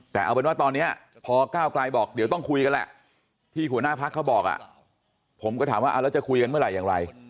แต่เอาเป็นว่าตอนนี้พอก้าวไกลบอกเดี๋ยวต้องคุยกันแหละที่หัวหน้าพักเขาบอกผมก็ถามว่าแล้วจะคุยกันเมื่อไหร่อย่างไร